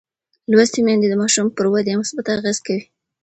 لوستې میندې د ماشوم پر ودې مثبت اغېز کوي.